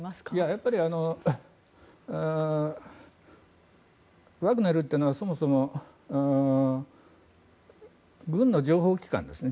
やっぱりワグネルというのはそもそも軍の情報機関ですね。